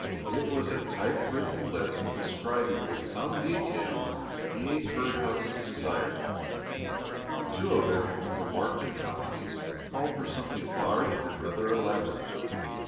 It was a type written list describing, with some detail, the eight bird houses desired. Two of them, for martin colonies, called for something large and rather elaborate.